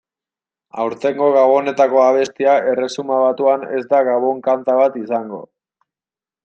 Aurtengo Gabonetako abestia Erresuma Batuan ez da gabon-kanta bat izango.